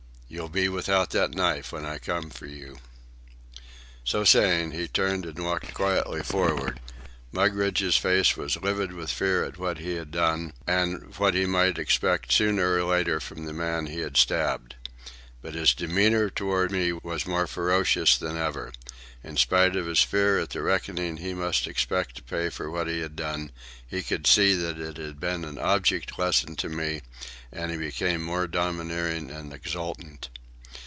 You'll be without that knife when I come for you." So saying, he turned and walked quietly forward. Mugridge's face was livid with fear at what he had done and at what he might expect sooner or later from the man he had stabbed. But his demeanour toward me was more ferocious than ever. In spite of his fear at the reckoning he must expect to pay for what he had done, he could see that it had been an object lesson to me, and he became more domineering and exultant.